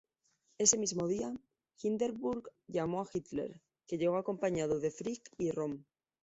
Ese mismo día, Hindenburg llamó a Hitler, que llegó acompañado de Frick y Röhm.